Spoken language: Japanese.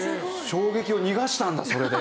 衝撃を逃がしたんだそれで。